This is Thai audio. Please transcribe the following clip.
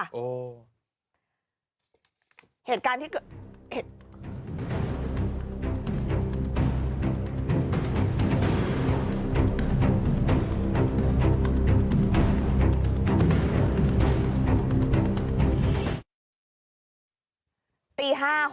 เหตุการณ์ที่เกิด